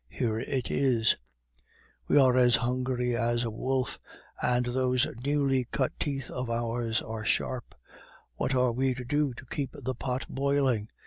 Here it is: "We are as hungry as a wolf, and those newly cut teeth of ours are sharp; what are we to do to keep the pot boiling?